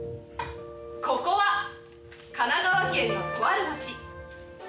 ここは神奈川県のとある町。